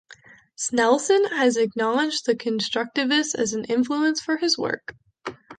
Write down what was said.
Snelson has acknowledged the constructivists as an influence for his work.